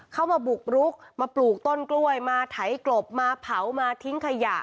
เข้ามาบุกรุกมาปลูกต้นกล้วยมาไถกลบมาเผามาทิ้งขยะ